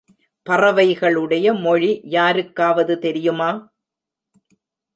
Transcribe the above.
பறவைகளுடைய மொழி யாருக்காவது தெரியுமா?